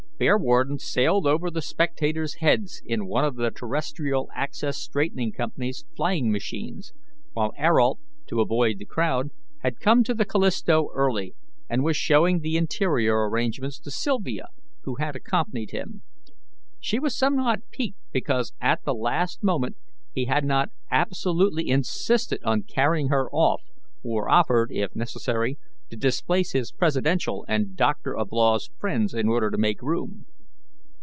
Bearwarden sailed over the spectators' heads in one of the Terrestrial Axis Straightening Company's flying machines, while Ayrault, to avoid the crowd, had come to the Callisto early, and was showing the interior arrangements to Sylvia, who had accompanied him. She was somewhat piqued because at the last moment he had not absolutely insisted on carrying her off, or offered, if necessary, to displace his presidential and Doctor of Laws friends in order to make room.